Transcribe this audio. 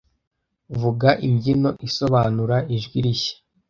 Vuga imbyino isobanura ijwi rishya